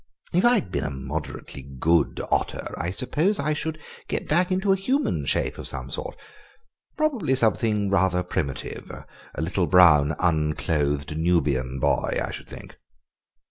If I had been a moderately good otter I suppose I should get back into human shape of some sort; probably something rather primitive—a little brown, unclothed Nubian boy, I should think."